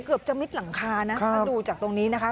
เกือบจะมิดหลังคานะถ้าดูจากตรงนี้นะคะ